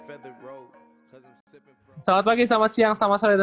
salam kawan kawan selamat pagi selamat siang selamat sore dan